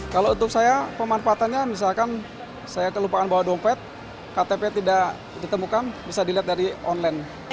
kalau untuk saya pemanfaatannya misalkan saya kelupakan bawa dompet ktp tidak ditemukan bisa dilihat dari online